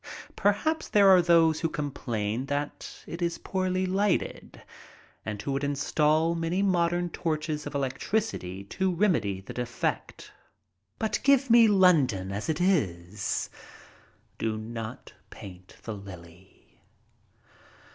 Perhaps there are those who complain that it is poorly lighted and who would install many modem torches of electricity to remedy the defect, but give me London as it is. Do not paint the lily.